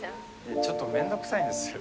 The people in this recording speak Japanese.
ちょっとめんどくさいんですよ。